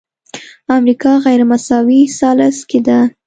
امریکا غیرمساوي ثلث کې ده.